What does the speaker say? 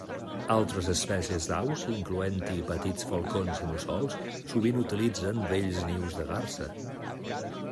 Altres espècies d'aus, incloent-hi petits falcons i mussols, sovint utilitzen vells nius de garsa.